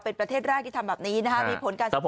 เป็นประเทศแรกที่ทำแบบนี้นะคะ